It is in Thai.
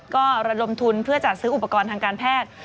ก็ระดมทุนเพื่อจัดซื้ออุปกรณ์ทางการแพทย์